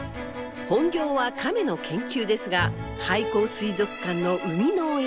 本業はカメの研究ですが廃校水族館の生みの親。